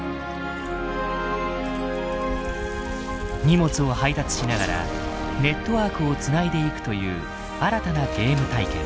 荷物を配達しながらネットワークを繋いでいくという新たなゲーム体験。